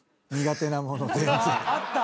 ・あった。